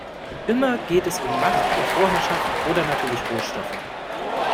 Immer geht es um Macht und Vorherrschaft oder natürlich Rohstoffe.